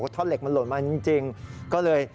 ท่อนเหล็กมันหล่นมาจริงก็เลย